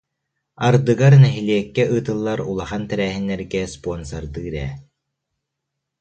Ардыгар нэһилиэккэ ыытыллар улахан тэрээһиннэргэ спонсордыыр ээ